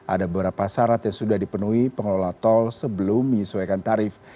ada beberapa syarat yang sudah dipenuhi pengelola tol sebelum menyesuaikan tarif